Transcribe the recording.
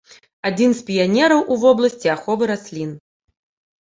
Адзін з піянераў у вобласці аховы раслін.